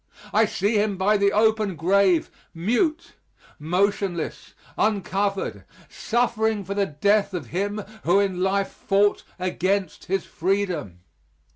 I see him by the open grave mute, motionless, uncovered, suffering for the death of him who in life fought against his freedom.